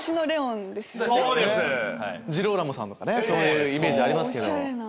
そういうイメージありますけど。